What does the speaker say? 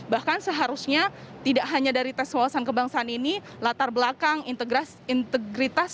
bahkan seharusnya tidak hanya dari tes wawasan kebangsaan ini latar belakang integritas